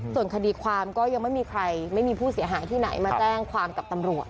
ส่วนคดีความก็ยังไม่มีใครไม่มีผู้เสียหายที่ไหนมาแจ้งความกับตำรวจ